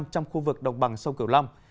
trong khu vực đồng bằng sông cửu long